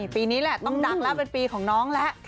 ปีนี้แหละต้องดังแล้วเป็นปีของน้องแล้ว